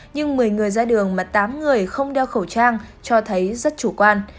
nhưng một mươi người ra đường mà tám người không đeo khẩu trang cho thấy rất chủ quan